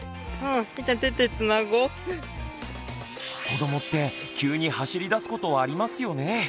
子どもって急に走り出すことありますよね。